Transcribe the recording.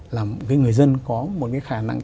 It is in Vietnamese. làm người dân có một khả năng